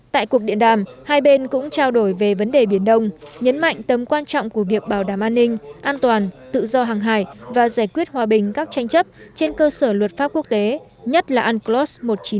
tại cuộc điện đàm hai bên cũng trao đổi về vấn đề biển đông nhấn mạnh tầm quan trọng của việc bảo đảm an ninh an toàn tự do hàng hải và giải quyết hòa bình các tranh chấp trên cơ sở luật pháp quốc tế nhất là unclos một nghìn chín trăm tám mươi hai